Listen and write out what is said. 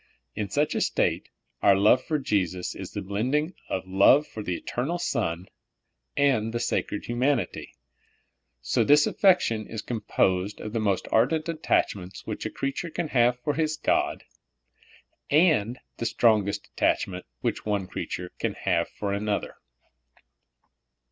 In such a state, our love for Jesus is the blending of love for the eternal Son and the sacred hu manity, so this affection is composed of the most ar dent attachments which a creature can have for 22 SOUL FOOD. his God, and the strongest attachment which one crea ture can have for another.